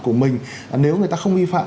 của mình nếu người ta không vi phạm